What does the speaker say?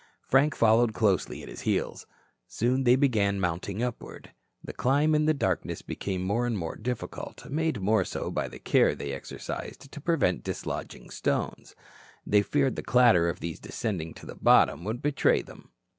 Frank followed closely at his heels. Soon they began mounting upward. The climb in the darkness became more and more difficult, made more so by the care they exercised to prevent dislodging stones. They feared the clatter of these descending to the bottom would betray them.